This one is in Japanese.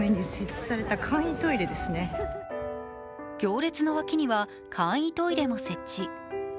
行列の脇には簡易トイレも設置。